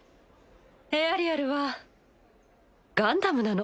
エアリアルはガンダムなの。